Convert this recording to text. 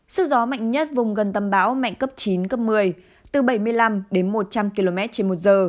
sức gió mạnh nhất vùng gần tâm bão mạnh cấp chín cấp một mươi từ bảy mươi năm đến một trăm linh km trên một giờ